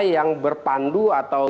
yang berpandu atau